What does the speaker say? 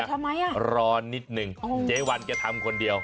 ทำไมอ่ะรอนิดนึงเจ๊วันแกทำคนเดียว